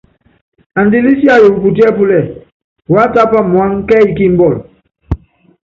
Andilɛ siayukɔ putíɛ́púlɛ, wá tápa muáŋá kɛ́yí kímbɔl.